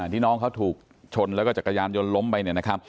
ที่น้องเขาถูกชนแล้วก็จัดกระยานหยนล้มไป